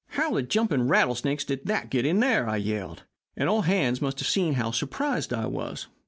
"'How the jumping rattlesnakes did that get there?' I yelled, and all hands must have seen how surprised I was.